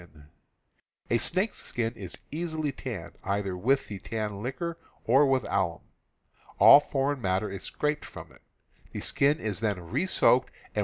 A snake's skin is easily tanned, either with the tan liquor or with alum. All foreign matter is scraped _. from it; the skin is then re soaked and ,^^